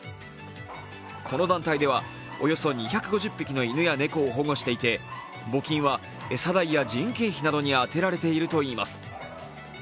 この団体では、およそ２５０匹の犬や猫を保護していて募金は餌代や人件費などに充てられているといいます。